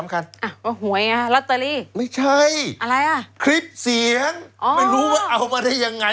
คลิปเสียงสนทนาไง